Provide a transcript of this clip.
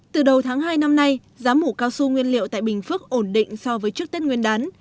từ đầu tháng hai năm nay giá mủ cao su nguyên liệu tại bình phước ổn định so với trước tết nguyên đán